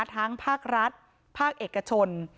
ทั้งภาครัฐภาคเอกชน